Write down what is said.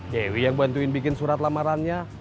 kewi yang bantuin bikin surat lamarannya